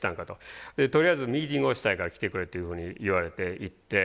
とりあえずミーティングをしたいから来てくれっていうふうに言われて行って。